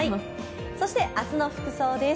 そして明日の服装です。